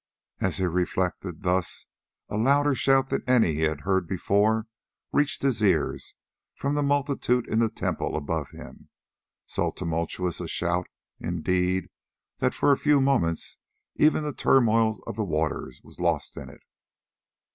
As he reflected thus a louder shout than any he had heard before reached his ears from the multitude in the temple above him, so tumultuous a shout indeed, that for a few moments even the turmoil of the waters was lost in it.